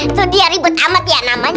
itu dia ribet amat ya namanya